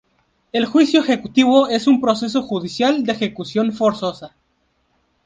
El juicio ejecutivo es un proceso judicial de ejecución forzosa.